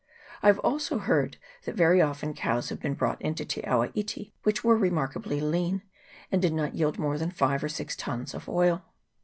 I have also heard that very often cows have been brought into Te awa iti which were remarkably lean, and did not yield more than five or six tuns of oil.